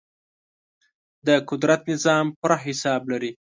د قدرت نظام پوره حساب لري.